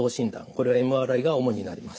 これはＭＲＩが主になります。